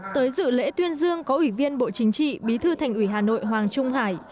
tới dự lễ tuyên dương có ủy viên bộ chính trị bí thư thành ủy hà nội hoàng trung hải